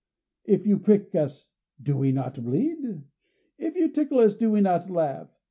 If you prick us, do we not bleed? If you tickle us, do we not laugh?